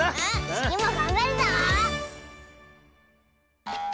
つぎもがんばるぞ！